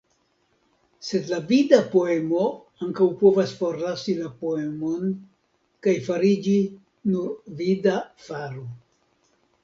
Sed la vida poemo ankaŭ povas forlasi la poemon kaj fariĝi nur vida faro.